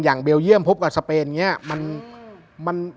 เบลเยี่ยมพบกับสเปนอย่างนี้